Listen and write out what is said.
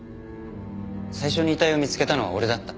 最初に遺体を見つけたのは俺だった。